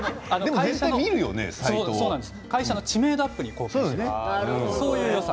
会社の知名度アップに貢献しています。